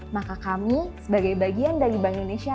maka kami sebagai bagian dari bank indonesia